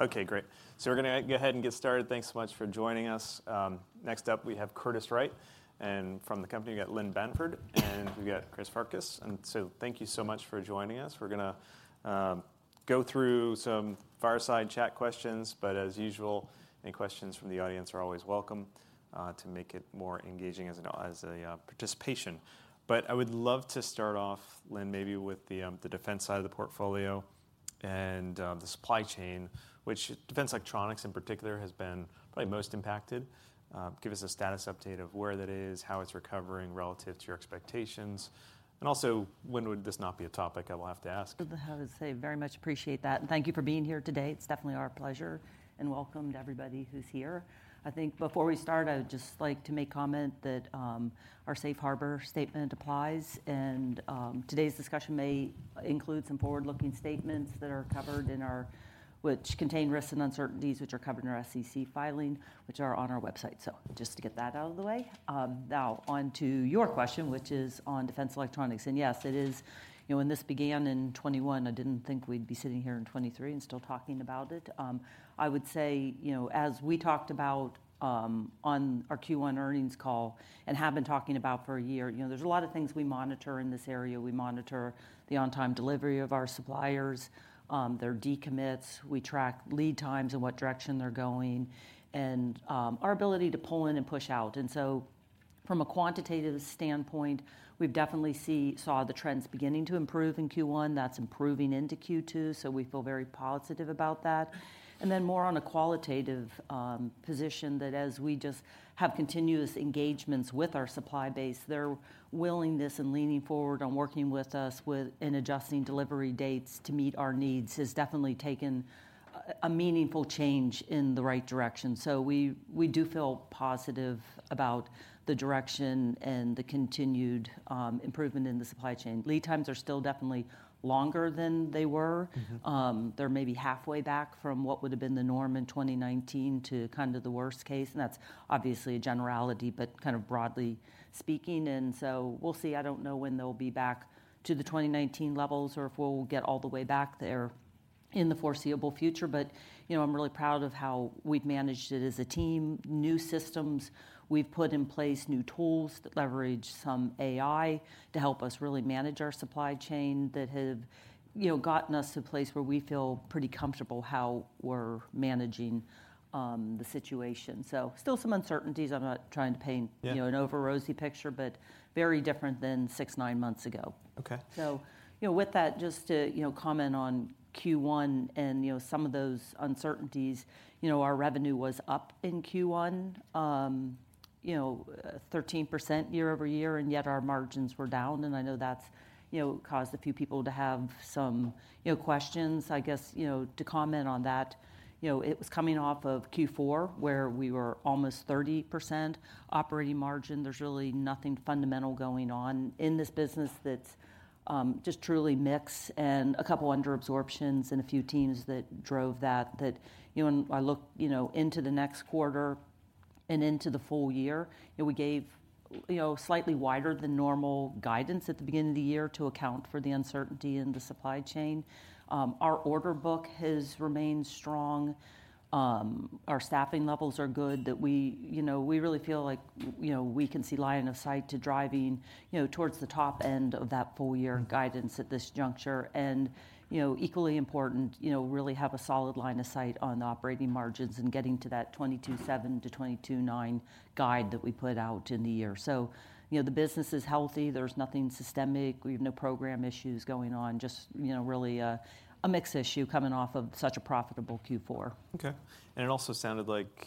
Okay, great. We're gonna go ahead and get started. Thanks so much for joining us. Next up, we have Curtiss-Wright, and from the company, we've got Lynn Bamford, and we've got Chris Farkas. Thank you so much for joining us. We're gonna go through some fireside chat questions, but as usual, any questions from the audience are always welcome to make it more engaging as a participation. I would love to start off, Lynn, maybe with the defense side of the portfolio and the supply chain, which defense electronics in particular has been probably most impacted. Give us a status update of where that is, how it's recovering relative to your expectations, and also, when would this not be a topic I will have to ask? I have to say, very much appreciate that. Thank you for being here today. It's definitely our pleasure. Welcome to everybody who's here. I think before we start, I would just like to make comment that our safe harbor statement applies. Today's discussion may include some forward-looking statements which contain risks and uncertainties, which are covered in our SEC filing, which are on our website. Just to get that out of the way. Now, onto your question, which is on defense electronics. Yes, it is. You know, when this began in 2021, I didn't think we'd be sitting here in 2023 and still talking about it. I would say, you know, as we talked about on our Q1 earnings call and have been talking about for a year, you know, there's a lot of things we monitor in this area. We monitor the on-time delivery of our suppliers, their decommits, we track lead times and what direction they're going, and our ability to pull in and push out. From a quantitative standpoint, we've definitely saw the trends beginning to improve in Q1. That's improving into Q2, so we feel very positive about that. More on a qualitative position that as we just have continuous engagements with our supply base, their willingness in leaning forward on working with us in adjusting delivery dates to meet our needs has definitely taken a meaningful change in the right direction. we do feel positive about the direction and the continued improvement in the supply chain. Lead times are still definitely longer than they were. Mm-hmm. They're maybe halfway back from what would've been the norm in 2019 to kind of the worst case, and that's obviously a generality, but kind of broadly speaking, and so we'll see. I don't know when they'll be back to the 2019 levels or if we'll get all the way back there in the foreseeable future, but, you know, I'm really proud of how we've managed it as a team. New systems, we've put in place new tools that leverage some AI to help us really manage our supply chain, that have, you know, gotten us to a place where we feel pretty comfortable how we're managing the situation. Still some uncertainties. I'm not trying to paint. Yeah... you know, an over rosy picture, but very different than six, nine months ago. Okay. You know, with that, just to, you know, comment on Q1 and, you know, some of those uncertainties. You know, our revenue was up in Q1, you know, 13% year-over-year, and yet our margins were down, and I know that's, you know, caused a few people to have some, you know, questions. I guess, you know, to comment on that, you know, it was coming off of Q4, where we were almost 30% operating margin. There's really nothing fundamental going on in this business that's, just truly mix and a couple under absorptions and a few teams that drove that. You know, when I look, you know, into the next quarter and into the full year, you know, we gave, you know, slightly wider than normal guidance at the beginning of the year to account for the uncertainty in the supply chain. Our order book has remained strong. Our staffing levels are good, that we, you know, we really feel like, you know, we can see line of sight to driving, you know, towards the top end of that full-year guidance. Mm... at this juncture. You know, equally important, you know, really have a solid line of sight on the operating margins and getting to that 22.7%-22.9% guide that we put out in the year. You know, the business is healthy. There's nothing systemic. We have no program issues going on, just, you know, really a mix issue coming off of such a profitable Q4. Okay. It also sounded like,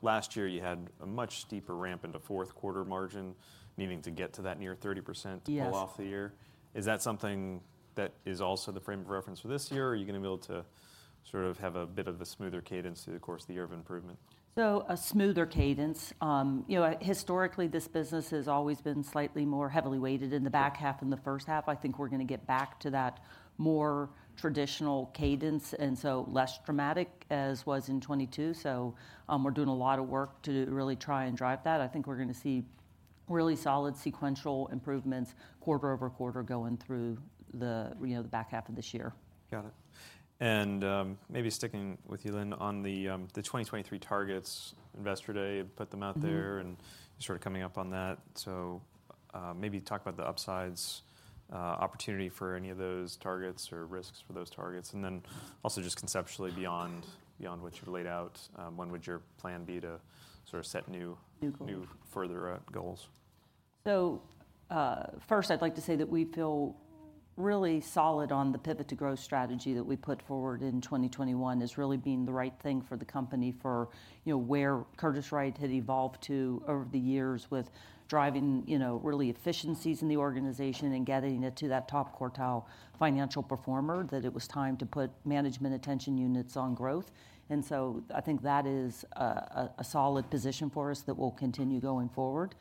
last year you had a much steeper ramp into Q4 margin, needing to get to that near 30%. Yes to pull off the year. Is that something that is also the frame of reference for this year, or are you gonna be able to sort of have a bit of a smoother cadence through the course of the year of improvement? A smoother cadence. You know, historically, this business has always been slightly more heavily weighted in the back half than the first half. I think we're going to get back to that more traditional cadence, and so less dramatic as was in 2022. We're doing a lot of work to really try and drive that. I think we're going to see really solid sequential improvements quarter-over-quarter going through the, you know, the back half of this year. Got it. maybe sticking with you, Lynn, on the 2023 targets, Investor Day, put them out there... Mm-hmm... and sort of coming up on that. Maybe talk about the upsides, opportunity for any of those targets or risks for those targets, just conceptually beyond what you've laid out, when would your plan be to sort of set new-? New goals.... new further goals? First, I'd like to say that we feel really solid on the Pivot to Growth strategy that we put forward in 2021 as really being the right thing for the company, for, you know, where Curtiss-Wright had evolved to over the years with driving, you know, really efficiencies in the organization and getting it to that top quartile financial performer, that it was time to put management attention units on growth. I think that is a solid position for us that will continue going forward.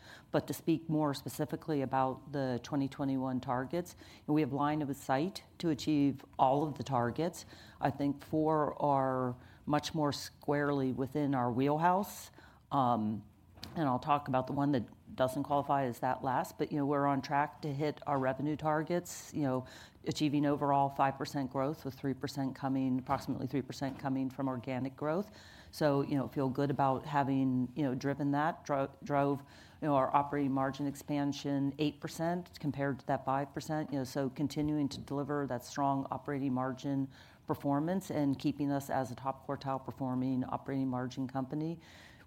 To speak more specifically about the 2021 targets, We have line of a sight to achieve all of the targets. I think four are much more squarely within our wheelhouse. I'll talk about the one that doesn't qualify as that last, you know, we're on track to hit our revenue targets. You know, achieving overall 5% growth, with 3% coming, approximately 3% coming from organic growth. You know, feel good about having, you know, driven that. Drove, you know, our operating margin expansion 8% compared to that 5%. You know, so continuing to deliver that strong operating margin performance and keeping us as a top quartile performing, operating margin company.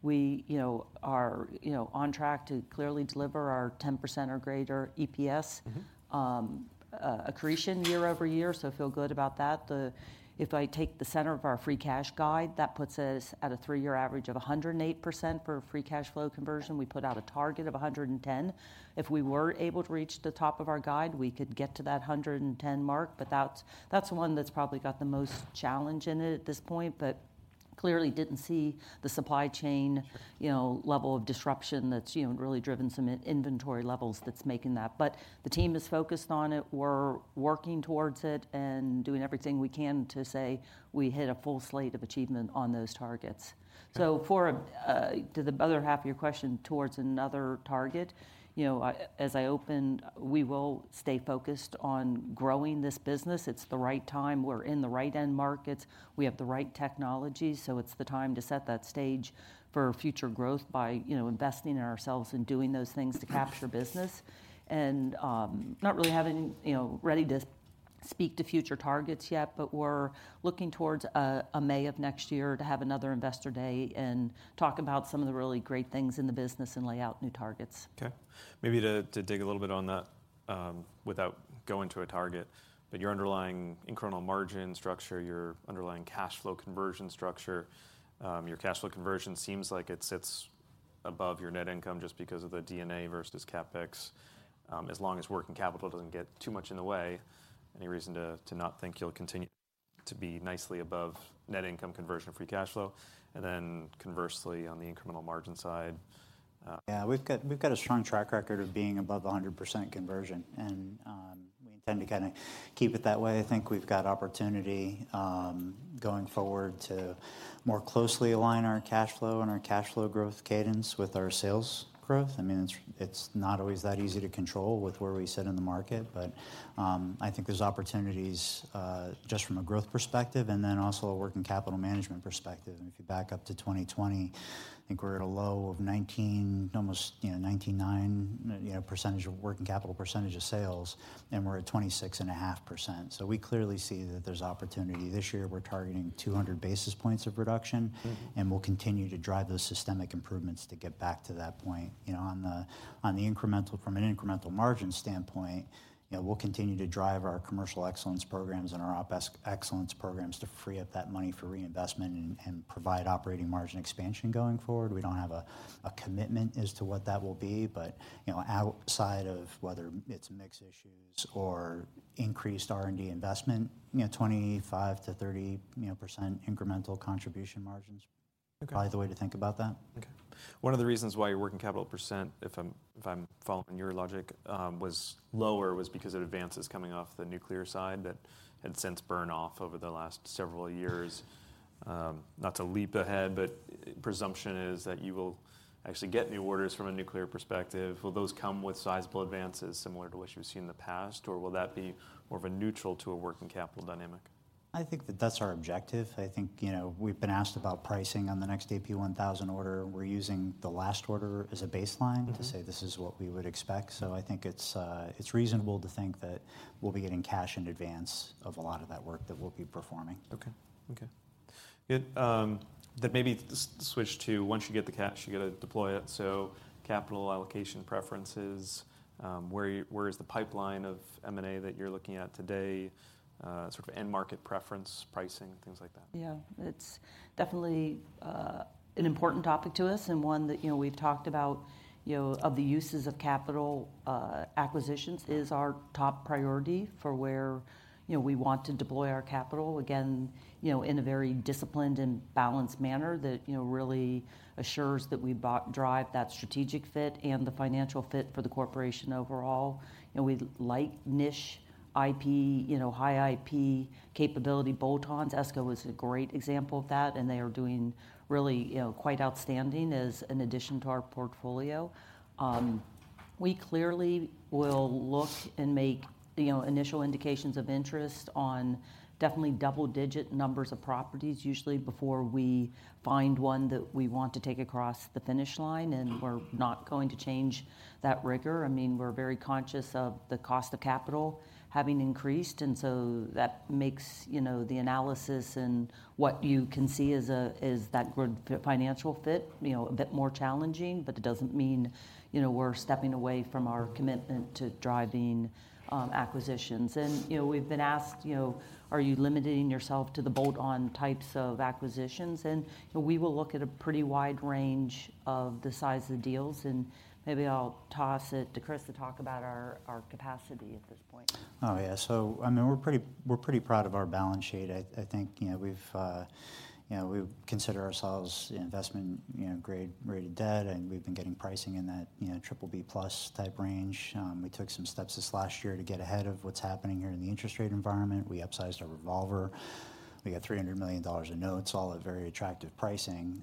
We, you know, are, you know, on track to clearly deliver our 10% or greater EPS. Mm-hmm accretion year-over-year. Feel good about that. If I take the center of our free cash guide, that puts us at a three-year average of 108% for free cash flow conversion. We put out a target of 110. If we were able to reach the top of our guide, we could get to that 110 mark, but that's the one that's probably got the most challenge in it at this point. Clearly didn't see the supply chain, you know, level of disruption that's, you know, really driven some inventory levels that's making that. The team is focused on it. We're working towards it and doing everything we can to say we hit a full slate of achievement on those targets. Okay. For, to the other half of your question, towards another target, you know, I, as I opened, we will stay focused on growing this business. It's the right time. We're in the right end markets. We have the right technology, so it's the time to set that stage for future growth by, you know, investing in ourselves and doing those things to capture business. Not really having, you know, ready to speak to future targets yet, but we're looking towards a May of next year to have another investor day and talk about some of the really great things in the business and lay out new targets. Okay. Maybe to dig a little bit on that, without going to a target, but your underlying incremental margin structure, your underlying cash flow conversion structure, your cash flow conversion seems like it sits above your net income just because of the D&A versus CapEx. As long as working capital doesn't get too much in the way, any reason to not think you'll continue to be nicely above net income conversion of free cash flow? Conversely, on the incremental margin side, Yeah, we've got a strong track record of being above 100% conversion, and we intend to kind of keep it that way. I think we've got opportunity going forward to more closely align our cash flow and our cash flow growth cadence with our sales growth. I mean, it's not always that easy to control with where we sit in the market, but I think there's opportunities just from a growth perspective and then also a working capital management perspective. If you back up to 2020, I think we're at a low of 19, almost, you know, 99, you know, percentage of working capital, percentage of sales, and we're at 26.5%. We clearly see that there's opportunity. This year, we're targeting 200 basis points of reduction. Mm-hmm... and we'll continue to drive those systemic improvements to get back to that point. You know, on the incremental, from an incremental margin standpoint, you know, we'll continue to drive our Commercial Excellence programs and our Operational Excellence programs to free up that money for reinvestment and provide operating margin expansion going forward. We don't have a commitment as to what that will be, but, you know, outside of whether it's mix issues or increased R&D investment, you know, 25%-30%, you know, incremental contribution margins- Okay probably the way to think about that. Okay. One of the reasons why your working capital percent, if I'm, if I'm following your logic, was lower, was because of advances coming off the nuclear side that had since burned off over the last several years. Not to leap ahead, presumption is that you will actually get new orders from a nuclear perspective. Will those come with sizable advances similar to what you've seen in the past, or will that be more of a neutral to a working capital dynamic? I think that that's our objective. I think, you know, we've been asked about pricing on the next AP1000 order. We're using the last order as a baseline. Mm-hmm... to say this is what we would expect. I think it's reasonable to think that we'll be getting cash in advance of a lot of that work that we'll be performing. Okay. Okay. It, maybe the switch to once you get the cash, you're gonna deploy it, capital allocation preferences, where is the pipeline of M&A that you're looking at today, sort of end market preference, pricing, and things like that? Yeah, it's definitely an important topic to us, and one that, you know, we've talked about, you know, of the uses of capital. Acquisitions is our top priority for where, you know, we want to deploy our capital, again, you know, in a very disciplined and balanced manner that, you know, really assures that we drive that strategic fit and the financial fit for the corporation overall. You know, we like niche IP, you know, high IP capability bolt-ons. ESCO is a great example of that, and they are doing really, you know, quite outstanding as an addition to our portfolio. We clearly will look and make, you know, initial indications of interest on definitely double-digit numbers of properties, usually before we find one that we want to take across the finish line. We're not going to change that rigor. I mean, we're very conscious of the cost of capital having increased. That makes, you know, the analysis and what you can see as a, as that good financial fit, you know, a bit more challenging, but it doesn't mean, you know, we're stepping away from our commitment to driving, acquisitions. You know, we've been asked, you know, "Are you limiting yourself to the bolt-on types of acquisitions?" You know, we will look at a pretty wide range of the size of the deals, and maybe I'll toss it to Chris to talk about our capacity at this point. Oh, yeah. I mean, we're pretty proud of our balance sheet. I think, you know, we've, you know, we consider ourselves investment, you know, grade, rated debt, we've been getting pricing in that, you know, BBB+ type range. We took some steps this last year to get ahead of what's happening here in the interest rate environment. We upsized our revolver. We got $300 million in notes, all at very attractive pricing.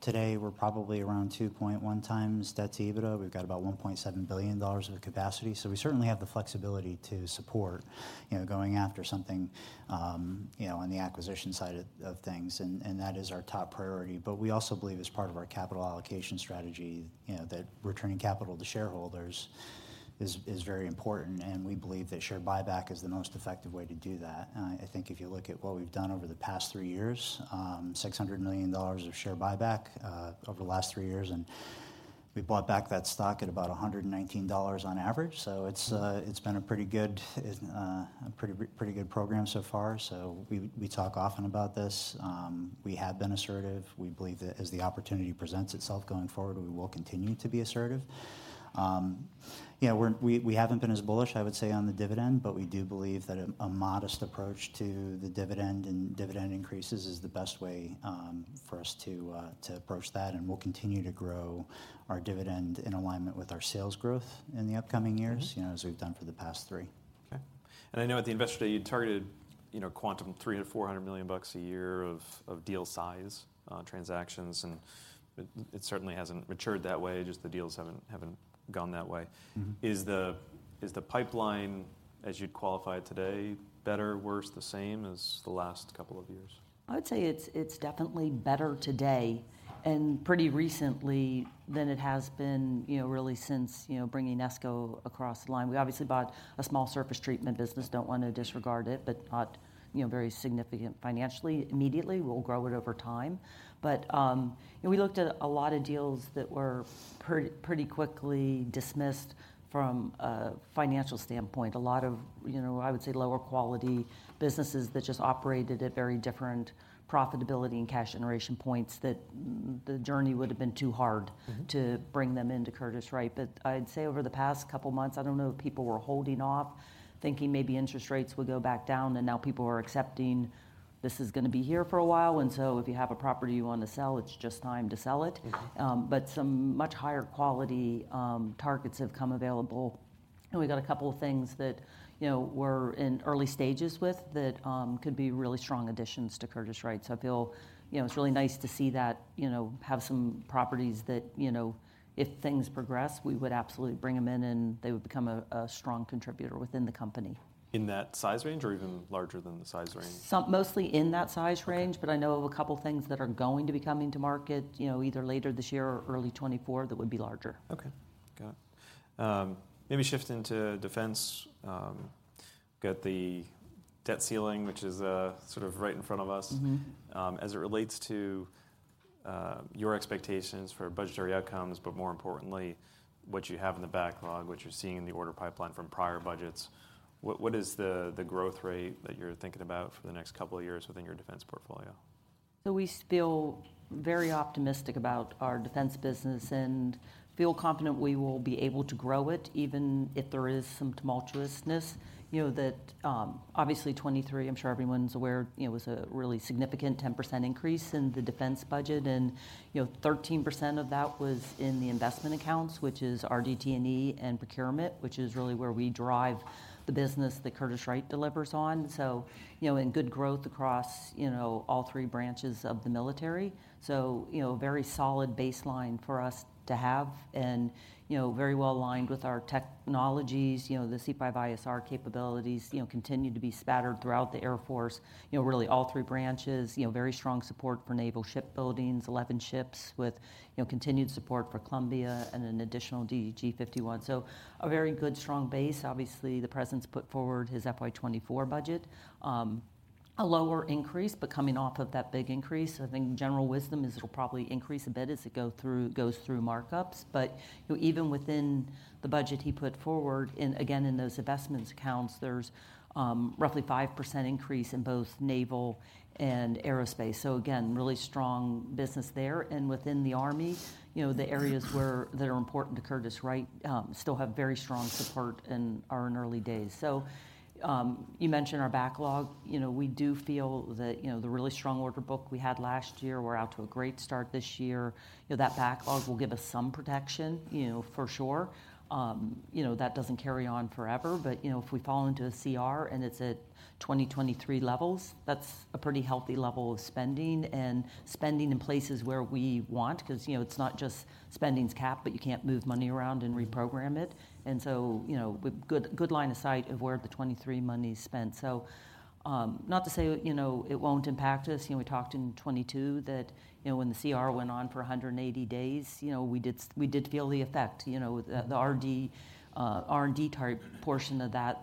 Today, we're probably around 2.1x debt to EBITDA. We've got about $1.7 billion of capacity. We certainly have the flexibility to support, you know, going after something, you know, on the acquisition side of things, that is our top priority. We also believe, as part of our capital allocation strategy, you know, that returning capital to shareholders is very important, and we believe that share buyback is the most effective way to do that. I think if you look at what we've done over the past three years, $600 million of share buyback over the last three years, and we bought back that stock at about $119 on average. It's been a pretty good program so far. We talk often about this. We have been assertive. We believe that as the opportunity presents itself going forward, we will continue to be assertive. Yeah, we haven't been as bullish, I would say, on the dividend, but we do believe that a modest approach to the dividend and dividend increases is the best way, for us to approach that, and we'll continue to grow our dividend in alignment with our sales growth in the upcoming years. Mm-hmm. you know, as we've done for the past three. Okay. I know at the investor day, you know, you targeted quantum $300 million-$400 million a year of deal size, transactions, and it certainly hasn't matured that way, just the deals haven't gone that way. Mm-hmm. Is the pipeline, as you'd qualify it today, better, worse, the same as the last couple of years? I would say it's definitely better today, and pretty recently than it has been, you know, really since, you know, bringing ESCO across the line. We obviously bought a small surface treatment business. Don't want to disregard it, but not, you know, very significant financially, immediately. We'll grow it over time. And we looked at a lot of deals that were pretty quickly dismissed from a financial standpoint. A lot of, you know, I would say, lower quality businesses that just operated at very different profitability and cash generation points, that the journey would have been too hard. Mm-hmm. to bring them into Curtiss-Wright. I'd say over the past couple of months, I don't know if people were holding off, thinking maybe interest rates would go back down, and now people are accepting this is gonna be here for a while, and so if you have a property you want to sell, it's just time to sell it. Mm-hmm. Some much higher quality targets have come available, and we've got a couple of things that, you know, we're in early stages with that could be really strong additions to Curtiss-Wright. I feel, you know, it's really nice to see that, you know, have some properties that, you know, if things progress, we would absolutely bring them in, and they would become a strong contributor within the company. In that size range or even larger than the size range? Mostly in that size range. Okay. I know of a couple of things that are going to be coming to market, you know, either later this year or early 2024, that would be larger. Okay. Got it. Maybe shifting to defense. Got the debt ceiling, which is sort of right in front of us. Mm-hmm. As it relates to your expectations for budgetary outcomes, but more importantly, what you have in the backlog, what you're seeing in the order pipeline from prior budgets, what is the growth rate that you're thinking about for the next couple of years within your defense portfolio? We feel very optimistic about our defense business and feel confident we will be able to grow it, even if there is some tumultuousness. You know, that, obviously, 2023, I'm sure everyone's aware, you know, was a really significant 10% increase in the defense budget. You know, 13% of that was in the investment accounts, which is RDT&E and procurement, which is really where we drive the business that Curtiss-Wright delivers on. You know, in good growth across, you know, all three branches of the military. You know, very solid baseline for us to have and, you know, very well aligned with our technologies. You know, the C5ISR capabilities, you know, continue to be spattered throughout the Air Force, you know, really all three branches. You know, very strong support for Naval shipbuildings, 11 ships with, you know, continued support for Columbia and an additional DDG-51. A very good, strong base. Obviously, the President's put forward his FY 24 budget. A lower increase, but coming off of that big increase, I think general wisdom is it'll probably increase a bit as it goes through markups. You know, even within the budget he put forward, and again, in those investments accounts, there's roughly 5% increase in both Naval and aerospace. Again, really strong business there. Within the Army, you know, the areas that are important to Curtiss-Wright still have very strong support and are in early days. You mentioned our backlog. You know, we do feel that, you know, the really strong order book we had last year, we're out to a great start this year. You know, that backlog will give us some protection, you know, for sure. You know, that doesn't carry on forever, but, you know, if we fall into a CR, and it's at 2023 levels, that's a pretty healthy level of spending and spending in places where we want. Because, you know, it's not just spending's capped, but you can't move money around and reprogram it. You know, with good line of sight of where the 2023 money is spent. Not to say, you know, it won't impact us. You know, we talked in 2022 that, you know, when the CR went on for 180 days, you know, we did feel the effect, you know, with the RD, R&D target portion of that,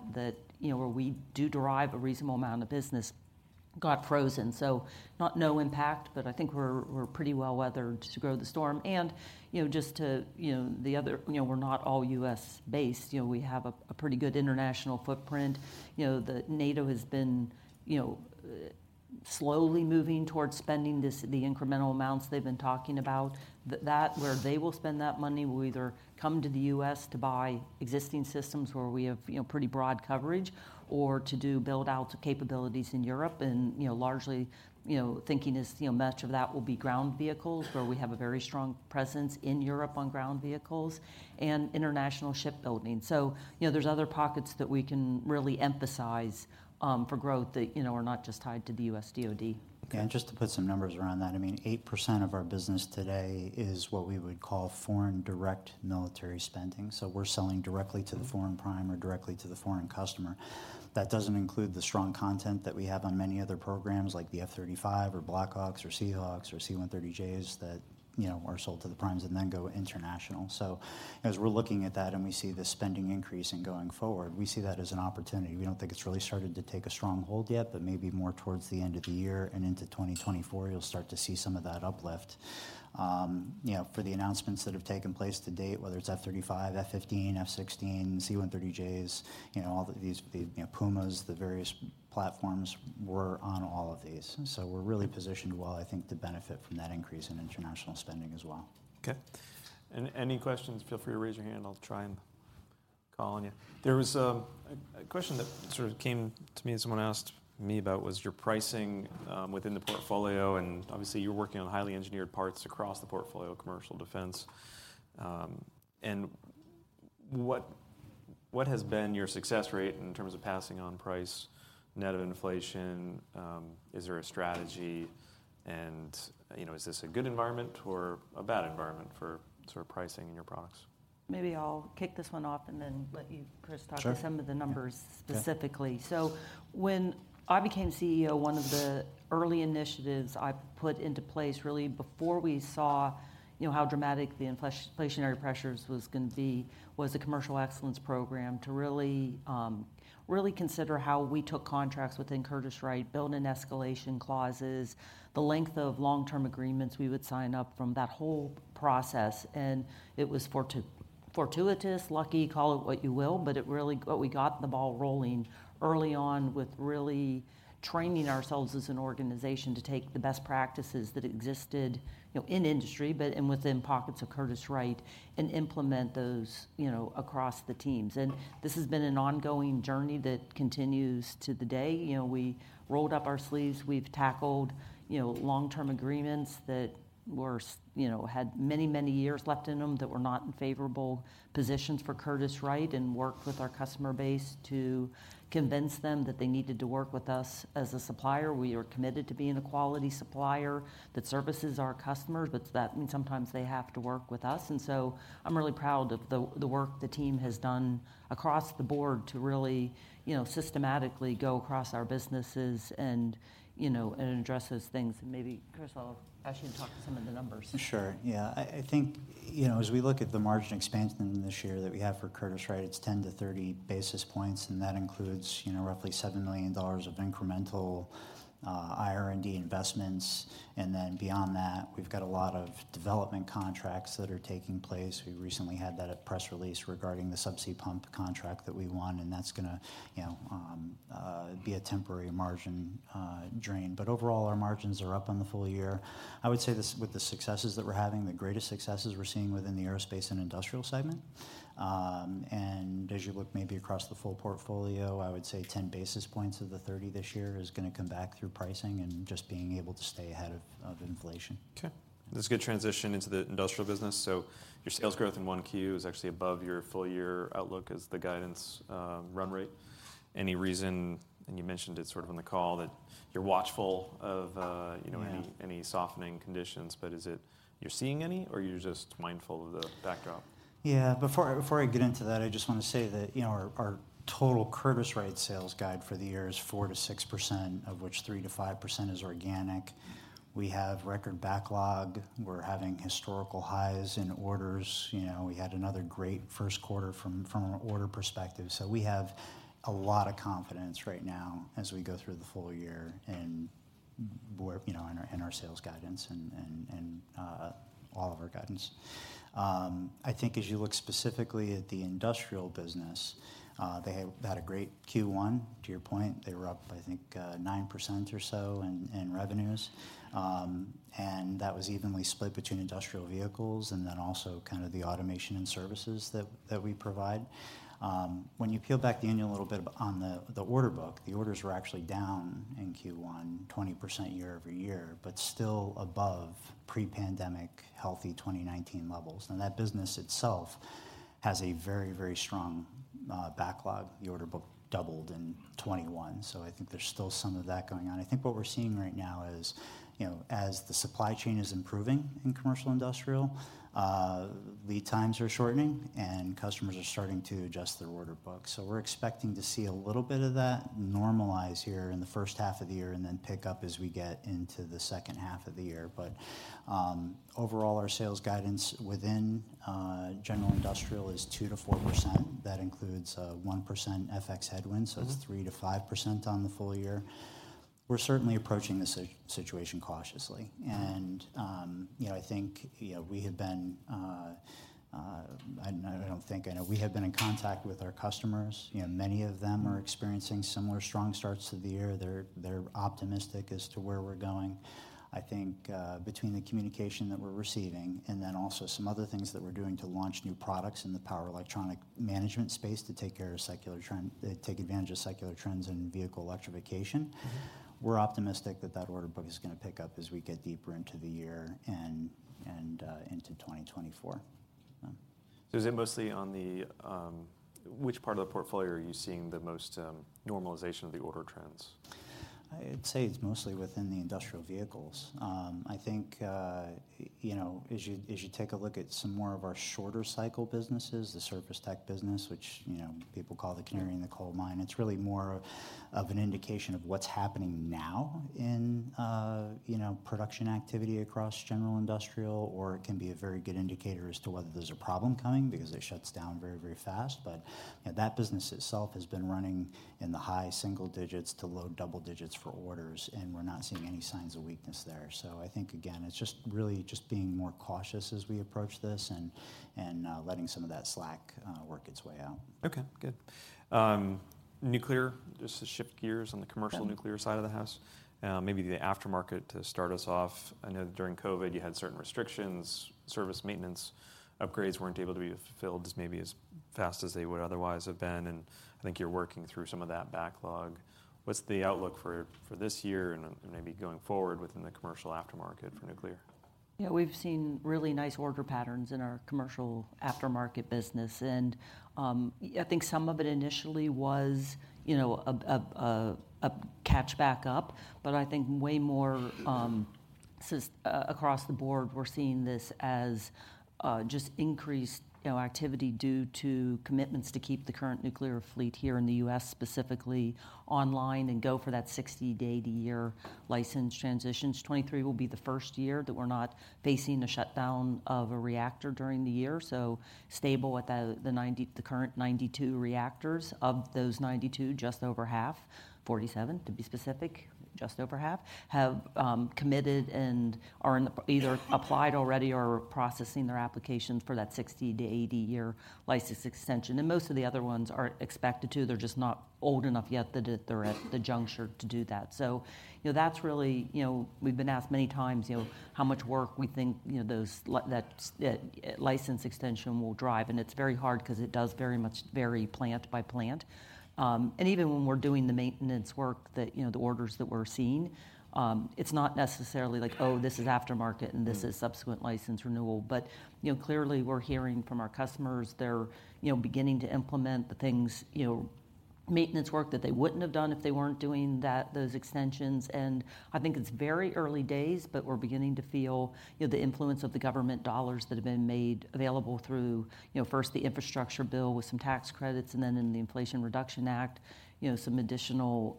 you know, where we do derive a reasonable amount of business got frozen. Not no impact, but I think we're pretty well-weathered to grow the storm. You know, we're not all U.S.-based. You know, we have a pretty good international footprint. You know, the NATO has been, you know, slowly moving towards spending the incremental amounts they've been talking about. That, where they will spend that money, will either come to the U.S. to buy existing systems where we have, you know, pretty broad coverage, or to do build-out capabilities in Europe. you know, largely, you know, thinking is, you know, much of that will be ground vehicles, where we have a very strong presence in Europe on ground vehicles and international shipbuilding. you know, there's other pockets that we can really emphasize for growth that, you know, are not just tied to the U.S. DOD. Yeah, just to put some numbers around that, I mean, 8% of our business today is what we would call foreign direct military spending. We're selling directly to the foreign prime or directly to the foreign customer. That doesn't include the strong content that we have on many other programs, like the F-35 or Blackhawks or Seahawks or C-130Js that, you know, are sold to the primes and then go international. As we're looking at that and we see the spending increase in going forward, we see that as an opportunity. We don't think it's really started to take a strong hold yet, but maybe more towards the end of the year and into 2024, you'll start to see some of that uplift. You know, for the announcements that have taken place to date, whether it's F-35, F-15, F-16, C-130Js, you know, all of these, the, you know, Pumas, the various platforms, we're on all of these. We're really positioned well, I think, to benefit from that increase in international spending as well. Okay. Any questions, feel free to raise your hand, I'll try and call on you. There was a question that sort of came to me and someone asked me about, was your pricing within the portfolio, and obviously, you're working on highly engineered parts across the portfolio, commercial defense. What has been your success rate in terms of passing on price net of inflation? Is there a strategy? You know, is this a good environment or a bad environment for sort of pricing in your products? Maybe I'll kick this one off and then let you, Chris. Sure... talk to some of the numbers- Yeah specifically. When I became CEO, one of the early initiatives I put into place, really before we saw, you know, how dramatic the inflationary pressures was gonna be, was a Commercial Excellence program to really consider how we took contracts within Curtiss-Wright, build in escalation clauses, the length of long-term agreements we would sign up from that whole process. It was fortuitous, lucky, call it what you will, but we got the ball rolling early on with really training ourselves as an organization to take the best practices that existed, you know, in industry, but, and within pockets of Curtiss-Wright, and implement those, you know, across the teams. This has been an ongoing journey that continues to the day. You know, we rolled up our sleeves, we've tackled, you know, long-term agreements that were you know, had many, many years left in them that were not in favorable positions for Curtiss-Wright, and worked with our customer base to convince them that they needed to work with us as a supplier. We are committed to being a quality supplier that services our customers, but that means sometimes they have to work with us. I'm really proud of the work the team has done across the board to really, you know, systematically go across our businesses and, you know, and address those things. Maybe, Chris, I'll have you talk through some of the numbers. Sure. Yeah. I think, you know, as we look at the margin expansion this year that we have for Curtiss-Wright, it's 10 to 30 basis points. That includes, you know, roughly $7 million of incremental IR&D investments. Beyond that, we've got a lot of development contracts that are taking place. We recently had that press release regarding the subsea pump contract that we won, that's gonna, you know, be a temporary margin drain. Overall, our margins are up on the full year. I would say this, with the successes that we're having, the greatest successes we're seeing within the Aerospace & Industrial segment. As you look maybe across the full portfolio, I would say 10 basis points of the 30 this year is gonna come back through pricing and just being able to stay ahead of inflation. Okay. This is a good transition into the industrial business. Your sales growth in Q1 is actually above your full year outlook as the guidance run rate. Any reason, and you mentioned it sort of on the call, that you're watchful of. Yeah you know, any softening conditions, but is it you're seeing any, or you're just mindful of the backdrop? Before I get into that, I just want to say that, you know, our total Curtiss-Wright sales guide for the year is 4%-6%, of which 3%-5% is organic. We have record backlog. We're having historical highs in orders. You know, we had another great Q1 from an order perspective. We have a lot of confidence right now as we go through the full year and, you know, our sales guidance and all of our guidance. I think as you look specifically at the industrial business, they had a great Q1. To your point, they were up, I think, 9% or so in revenues. That was evenly split between industrial vehicles and then also kind of the automation and services that we provide. When you peel back the onion a little bit on the order book, the orders were actually down in Q1, 20% year-over-year, but still above pre-pandemic, healthy 2019 levels. That business itself has a very strong backlog. The order book doubled in 2021. I think there's still some of that going on. I think what we're seeing right now is, you know, as the supply chain is improving in commercial industrial, lead times are shortening and customers are starting to adjust their order book. We're expecting to see a little bit of that normalize here in the first half of the year and then pick up as we get into the second half of the year. Overall, our sales guidance within general industrial is 2%-4%. That includes a 1% FX headwind. Mm-hmm so it's 3%-5% on the full year. We're certainly approaching this situation cautiously. I think, you know, we have been, I know we have been in contact with our customers. You know, many of them are experiencing similar strong starts to the year. They're, they're optimistic as to where we're going. I think, between the communication that we're receiving, and then also some other things that we're doing to launch new products in the power electronics management space to take advantage of secular trends in vehicle electrification, we're optimistic that that order book is gonna pick up as we get deeper into the year and into 2024. Which part of the portfolio are you seeing the most, normalization of the order trends? I'd say it's mostly within the industrial vehicles. I think, you know, as you, as you take a look at some more of our shorter cycle businesses, the Surface Technologies business, which, you know, people call the canary in the coal mine, it's really more of an indication of what's happening now in, you know, production activity across general industrial, or it can be a very good indicator as to whether there's a problem coming because it shuts down very, very fast. You know, that business itself has been running in the high single digits to low double digits for orders, and we're not seeing any signs of weakness there. I think, again, it's just really just being more cautious as we approach this and letting some of that slack work its way out. Okay, good. Nuclear, just to shift gears. Yeah... commercial nuclear side of the house, maybe the aftermarket to start us off. I know that during COVID, you had certain restrictions, service maintenance, upgrades weren't able to be fulfilled as maybe as fast as they would otherwise have been, and I think you're working through some of that backlog. What's the outlook for this year and maybe going forward within the commercial aftermarket for nuclear? We've seen really nice order patterns in our commercial aftermarket business, I think some of it initially was, you know, a catch back up, but I think way more across the board, we're seeing this as just increased, you know, activity due to commitments to keep the current nuclear fleet here in the U.S., specifically online, and go for that 60 - 80 year license transitions. 2023 will be the first year that we're not facing a shutdown of a reactor during the year, stable at the current 92 reactors. Of those 92, just over half, 47, to be specific, just over half, have committed and are either applied already or are processing their applications for that 60 - 80 year license extension. Most of the other ones are expected to. They're just not old enough yet that they're at the juncture to do that. You know, that's really. You know, we've been asked many times, you know, how much work we think, you know, those that license extension will drive, and it's very hard 'cause it does very much vary plant by plant. Even when we're doing the maintenance work that, you know, the orders that we're seeing, it's not necessarily like, oh, this is aftermarket. Mm... and this is subsequent license renewal. You know, clearly, we're hearing from our customers, they're, you know, beginning to implement the things, you know, maintenance work that they wouldn't have done if they weren't doing that, those extensions. I think it's very early days, but we're beginning to feel, you know, the influence of the government dollars that have been made available through, you know, first, the infrastructure bill with some tax credits, and then in the Inflation Reduction Act, you know, some additional,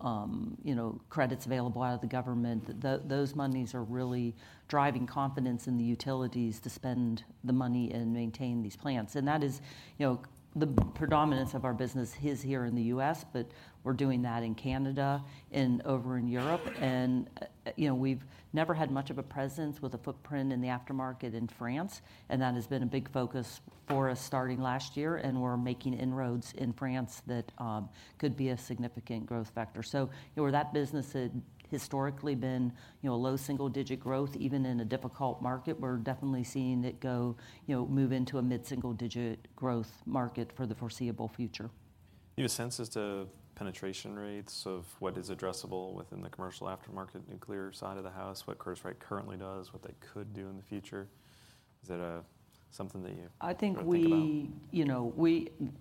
you know, credits available out of the government. Those monies are really driving confidence in the utilities to spend the money and maintain these plants. That is, you know, the predominance of our business is here in the U.S., but we're doing that in Canada and over in Europe. You know, we've never had much of a presence with a footprint in the aftermarket in France, and that has been a big focus for us starting last year, and we're making inroads in France that could be a significant growth factor. You know, where that business had historically been, you know, low single-digit growth, even in a difficult market, we're definitely seeing it go, you know, move into a mid-single digit growth market for the foreseeable future. You have a sense as to penetration rates of what is addressable within the commercial aftermarket nuclear side of the house, what Curtiss-Wright currently does, what they could do in the future? Is that a something that you-? I think... ...think about? You know,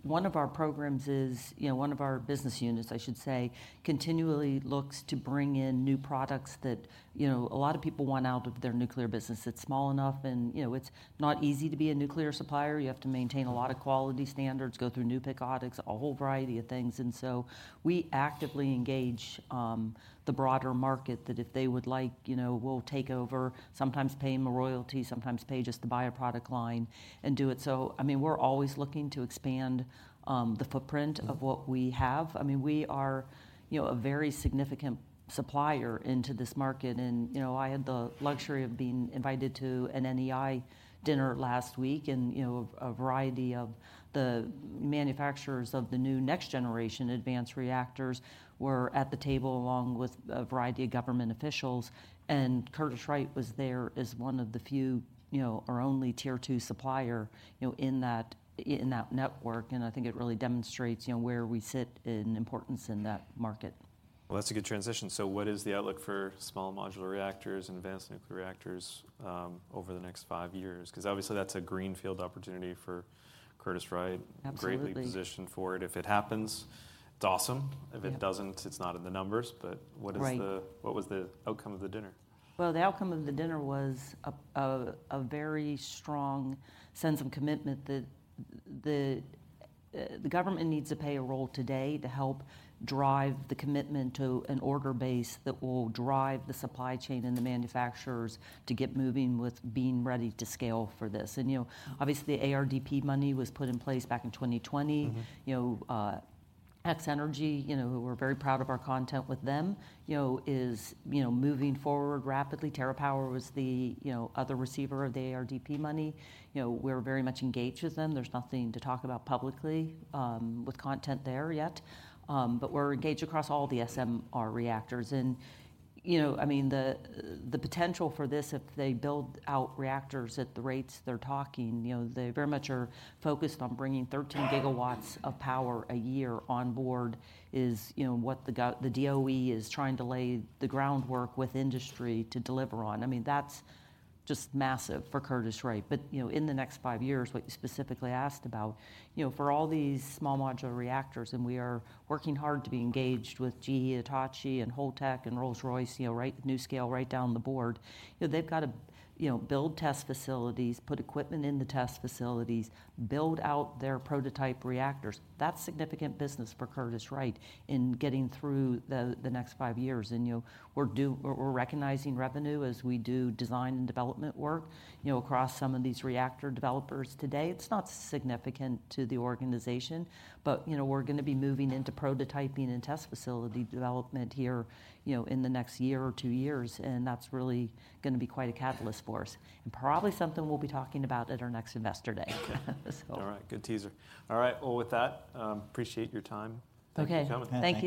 one of our programs is, you know, one of our business units, I should say, continually looks to bring in new products that, you know, a lot of people want out of their nuclear business. It's small enough and, you know, it's not easy to be a nuclear supplier. You have to maintain a lot of quality standards, go through NUPIC audits, a whole variety of things. We actively engage the broader market that if they would like, you know, we'll take over, sometimes pay them a royalty, sometimes pay just to buy a product line and do it. I mean, we're always looking to expand the footprint of what we have. I mean, we are, you know, a very significant supplier into this market. You know, I had the luxury of being invited to an NEI dinner last week, and, you know, a variety of the manufacturers of the new next-generation advanced reactors were at the table, along with a variety of government officials. Curtiss-Wright was there as one of the few, you know, or only tier two supplier, you know, in that network, and I think it really demonstrates, you know, where we sit in importance in that market. Well, that's a good transition. What is the outlook for small modular reactors and advanced nuclear reactors over the next five years? 'Cause obviously, that's a greenfield opportunity for Curtiss-Wright. Absolutely. Greatly positioned for it. If it happens, it's awesome. Yeah. If it doesn't, it's not in the numbers. What is the... Right what was the outcome of the dinner? Well, the outcome of the dinner was a very strong sense of commitment that the government needs to play a role today to help drive the commitment to an order base that will drive the supply chain and the manufacturers to get moving with being ready to scale for this. You know, obviously, the ARDP money was put in place back in 2020. Mm-hmm. You know, X-energy, you know, who we're very proud of our content with them, you know, is, you know, moving forward rapidly. TerraPower was the, you know, other receiver of the ARDP money. You know, we're very much engaged with them. There's nothing to talk about publicly with content there yet, but we're engaged across all the SMR reactors. You know, I mean, the potential for this, if they build out reactors at the rates they're talking, you know, they very much are focused on bringing 13 gigawatts of power a year on board, is, you know, what the DOE is trying to lay the groundwork with industry to deliver on. I mean, that's just massive for Curtiss-Wright. You know, in the next five years, what you specifically asked about, you know, for all these small modular reactors, and we are working hard to be engaged with GE, Hitachi, and Holtec, and Rolls-Royce, you know, NuScale, right down the board. You know, they've got to, you know, build test facilities, put equipment in the test facilities, build out their prototype reactors. That's significant business for Curtiss-Wright in getting through the next five years. You know, we're recognizing revenue as we do design and development work, you know, across some of these reactor developers today. It's not significant to the organization, but, you know, we're gonna be moving into prototyping and test facility development here, you know, in the next year or twoyears, and that's really gonna be quite a catalyst for us, and probably something we'll be talking about at our next Investor Day. All right. Good teaser. All right. Well, with that, appreciate your time. Okay. Thank you for coming. Thank you.